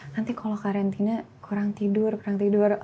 nanti kalau karantina kurang tidur kurang tidur